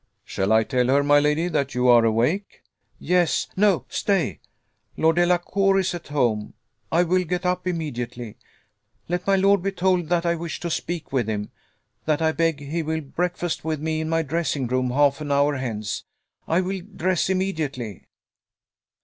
"Shall I tell her, my lady, that you are awake?" "Yes no stay Lord Delacour is at home. I will get up immediately. Let my lord be told that I wish to speak with him that I beg he will breakfast with me in my dressing room half an hour hence. I will dress immediately."